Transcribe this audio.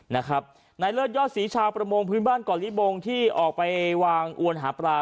ในเลือดยอดศรีชาวประโมงพื้นบ้านก่อนลิบ่งที่ออกไปวางอวนหาปลา